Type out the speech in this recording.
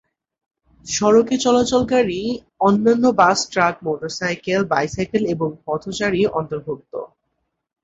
সড়কে চলাচলকারী অন্যান্য বাস, ট্রাক, মোটরসাইকেল, বাইসাইকেল এবং পথচারী অন্তর্ভুক্ত।